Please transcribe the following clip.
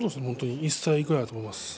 １歳ぐらいだと思います。